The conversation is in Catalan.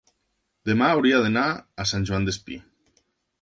demà hauria d'anar a Sant Joan Despí.